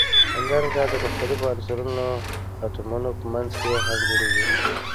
همدارنګه د مختلفو عنصرونو د اتومونو په منځ کې هم جوړیږي.